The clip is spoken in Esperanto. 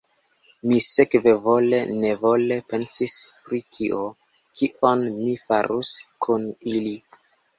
Mi sekve vole-nevole pensis pri tio, kion mi farus kun ili.